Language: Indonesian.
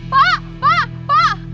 pak pak pak